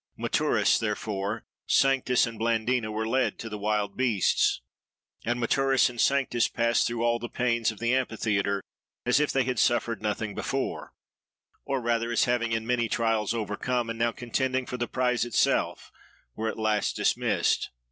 Maturus, therefore, Sanctus and Blandina, were led to the wild beasts. And Maturus and Sanctus passed through all the pains of the amphitheatre, as if they had suffered nothing before: or rather, as having in many trials overcome, and now contending for the prize itself, were at last dismissed.